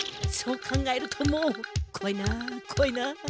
そう考えるともうこわいなこわいな。